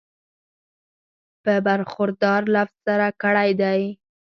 پۀ برخوردار لفظ سره کړی دی